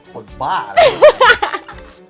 คนบ้าเลย